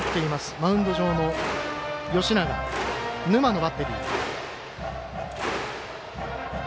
マウンド上の吉永、沼のバッテリー。